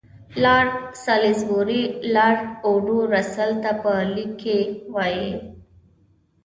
لارډ سالیزبوري لارډ اوډو رسل ته په لیک کې وایي.